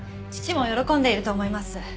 父も喜んでいると思います。